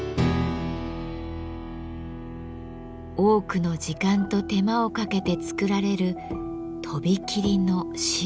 多くの時間と手間をかけて作られるとびきりの白。